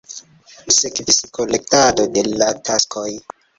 Sekvis korektado de la taskoj.